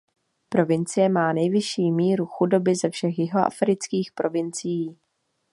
Provincie má nejvyšší míru chudoby ze všech jihoafrických provincií.